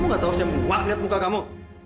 kamu gak tau saya muak liat muka kamu